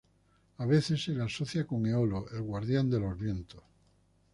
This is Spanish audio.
A veces se le asocia con Eolo, el Guardián de los Vientos.